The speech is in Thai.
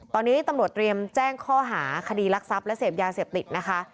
ตอนนี้ตำรวจเตรียมแจ้งข้อหาคดีรักทรัพย์และเสพยาเสพติดนะคะ